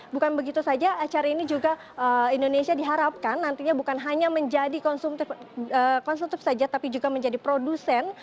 bukan begitu saja acara ini juga indonesia diharapkan nantinya bukan hanya menjadi konstruktif saja tapi juga menjadi produsen